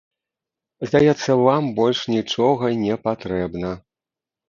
Здаецца, вам больш нічога не патрэбна.